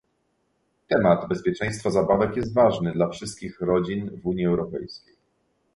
Temat bezpieczeństwa zabawek jest ważny dla wszystkich rodzin w Unii Europejskiej